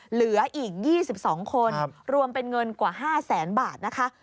เหลืออีก๒๒คนรวมเป็นเงินกว่า๕แสนบาทนะคะ